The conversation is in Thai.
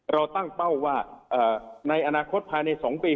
เราตั้งเป้าว่าในอนาคตภายใน๒ปี